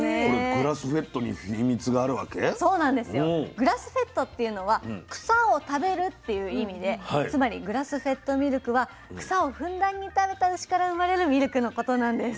グラスフェッドっていうのは「草を食べる」っていう意味でつまりグラスフェッドミルクは草をふんだんに食べた牛から生まれるミルクのことなんです。